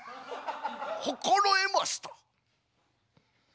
心得ました。